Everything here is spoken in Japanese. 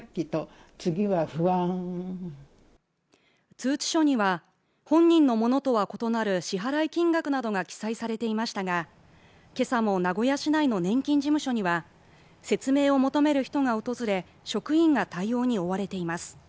通知書には本人のものとは異なる支払金額などが記載されていましたが今朝も名古屋市内の年金事務所には説明を求める人が訪れ職員が対応に追われています